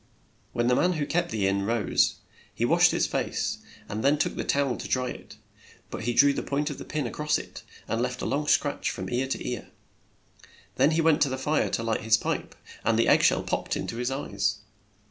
When the man who kept the inn rose, he washed his face and then took the tow el to dry it, but he drew the point of the pin a cross it and left a long scratch from ear to ear. Then he went to the fire to light his pipe, and the egg shell popped in to his eyes.